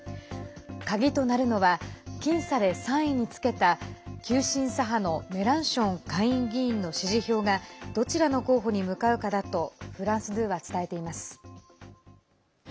鍵となるのは僅差で３位につけた急進左派のメランション下院議員の支持票がどちらの候補に向かうかだとフランス２は伝えています。